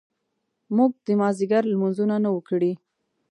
موږ د مازیګر لمونځونه نه وو کړي.